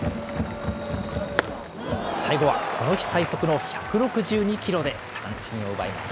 最後はこの日最速の１６２キロで三振を奪います。